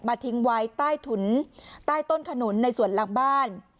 ทิ้งไว้ใต้ถุนใต้ต้นขนุนในส่วนหลังบ้าน